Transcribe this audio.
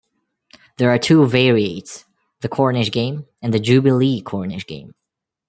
There are two variates, the Cornish Game and the Jubilee Cornish Game.